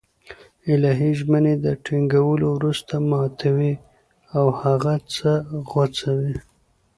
الهي ژمني له ټينگولو وروسته ماتوي او هغه څه غوڅوي